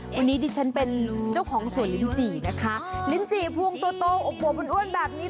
วันนี้ดิฉันเป็นเจ้าของสวนลิ้นจี่นะคะลิ้นจี่พวงตัวโตอบอวบอ้วนแบบนี้